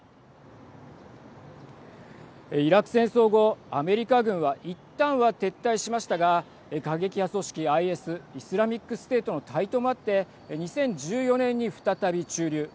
イラク戦争後、アメリカ軍はいったんは撤退しましたが過激派組織ＩＳ＝イスラミックステートの台頭もあって２０１４年に再び駐留。